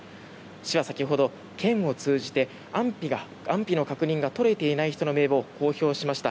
市は先ほど県を通じて安否の確認が取れていない人の名簿を公表しました。